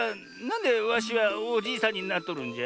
んでわしはおじいさんになっとるんじゃ？